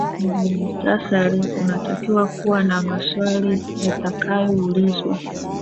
mhutasari unatakiwa kuwa na maswali yatakayoulizwa